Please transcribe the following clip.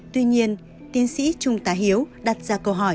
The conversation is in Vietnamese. tuy nhiên tiến sĩ trung tá hiếu đặt ra câu hỏi